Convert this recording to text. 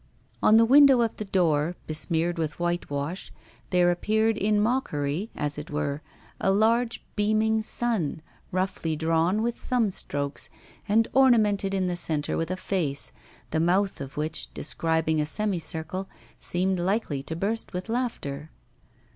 On the window of the door, besmeared with whitewash, there appeared in mockery, as it were, a large beaming sun, roughly drawn with thumb strokes, and ornamented in the centre with a face, the mouth of which, describing a semicircle, seemed likely to burst with laughter.